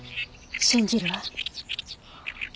信じるわ。